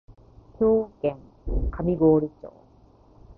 兵庫県上郡町